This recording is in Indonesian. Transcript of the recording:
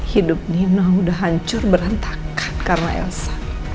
hidup nirna udah hancur berantakan karena elsa